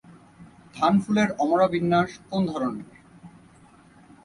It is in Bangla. ধান ফুলের অমরাবিন্যাস কোন ধরনের?